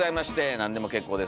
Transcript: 何でも結構です。